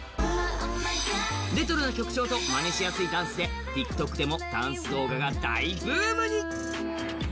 レトロな曲調とまねしやすいダンスでＴｉｋＴｏｋでもダンス動画が大ブームに。